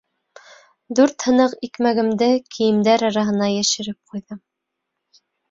Дүрт һыныҡ икмәгемде кейемдәр араһына йәшереп ҡуйҙым.